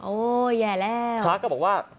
โอ๊ยแย่แล้วชาวคร์ก็บอกว่า